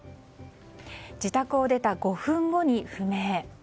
自宅を出た５分後に不明。